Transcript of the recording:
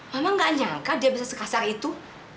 memang gak nyangka dia bisa sekasar itu